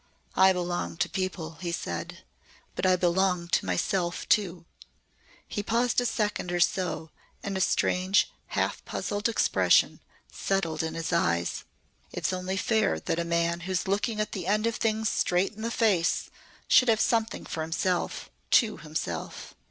"I belong to people," he said, "but I belong to myself too." He paused a second or so and a strange half puzzled expression settled in his eyes. "It's only fair that a man who's looking the end of things straight in the face should have something for himself to himself.